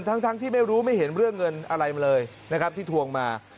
ทั้งที่ไม่รู้ไม่เห็นเรื่องเงินอะไรมาเลยนะครับที่ทวงมา